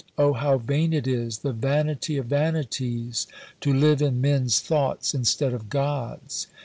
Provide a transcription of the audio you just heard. O how vain it is, the vanity of vanities, to live in men's thoughts, instead of God's."